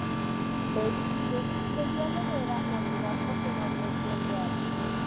Peli dice que el diálogo era "natural" porque no había guión real.